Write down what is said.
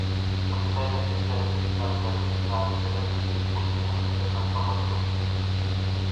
A primeira sería a necesidade das entidades de reducir os custos de transformación.